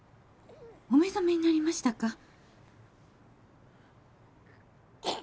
お目覚めになりましたか